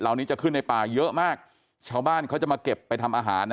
นี้จะขึ้นในป่าเยอะมากชาวบ้านเขาจะมาเก็บไปทำอาหารนะ